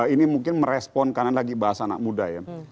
ini mungkin merespon kanan lagi bahas anak muda ya